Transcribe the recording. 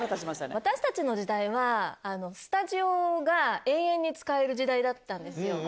私たちの時代は、スタジオが永遠に使える時代だったんですよ。